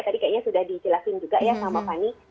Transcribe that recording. tadi kayanya sudah dijelaskan juga ya sama fani